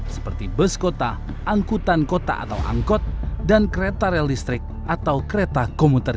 seperti bus kota angkutan kota atau angkot dan kereta rel listrik atau kereta komuter